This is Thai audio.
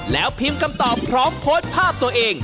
แล้วพิมพ์คำตอบพร้อมโพสต์ภาพตัวเอง